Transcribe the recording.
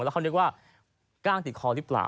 แล้วเขานึกว่ากล้างติดคอหรือเปล่า